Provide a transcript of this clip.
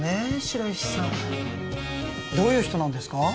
白石さんどういう人なんですか？